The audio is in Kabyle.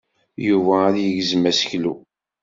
Yuba ad yegzem aseklu.